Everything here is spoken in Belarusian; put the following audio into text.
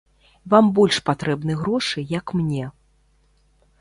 Вам больш патрэбны грошы, як мне.